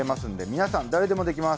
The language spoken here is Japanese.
皆さん、誰でもできます